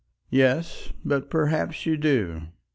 "Yes. But perhaps you do."